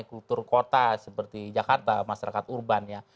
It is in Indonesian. kultur kota seperti jakarta masyarakat urban ya